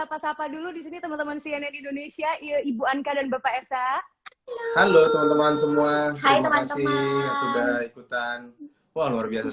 assalamualaikum wr wb